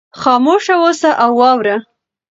خاموشه اوسه او واوره.